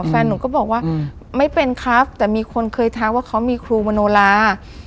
แฟนหนูก็บอกว่าไม่เป็นครับแต่มีคนเคยทักว่าเขามีครูมโนลา